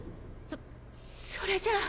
そそれじゃあ。